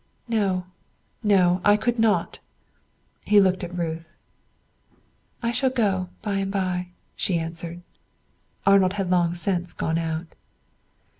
"No, no! I could not." He looked at Ruth. "I shall go by and by," she answered. Arnold had long since gone out.